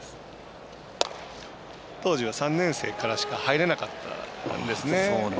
当時は３年生からしか入れなかったんですね。